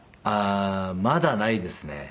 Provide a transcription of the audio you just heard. ああーまだないですね。